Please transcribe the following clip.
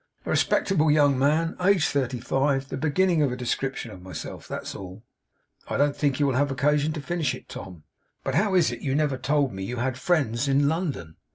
'"A respectable young man, aged thirty five" The beginning of a description of myself. That's all.' 'I don't think you will have occasion to finish it, Tom. But how is it you never told me you had friends in London?